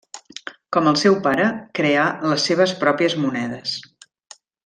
Com el seu pare, creà les seves pròpies monedes.